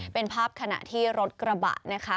เป็นภาพขณะที่รถกระบะนะคะ